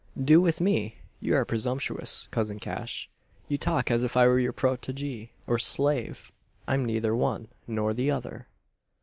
"Do with me! You are presumptuous, cousin Cash! You talk as if I were your protegee, or slave! I'm neither one, nor the other!"